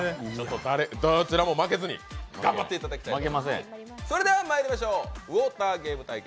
どちらも負けずに頑張ってもらいたいと思います。